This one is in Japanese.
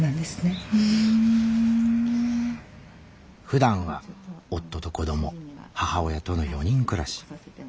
ふだんは夫と子供母親との４人暮らし。